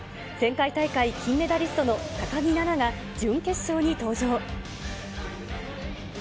前回大会、金メダリストの高木菜那が、準決勝に登場。